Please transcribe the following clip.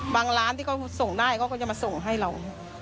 บางร้านที่ก็ส่งได้ก็จะมาส่งให้เรา